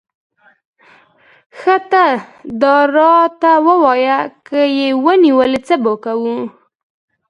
ښه ته داراته ووایه، که یې ونیولې، څه به کوو؟